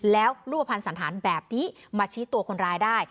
แล้วรูปภัณฑ์สันธารแบบนี้มาชี้ตัวคนร้ายได้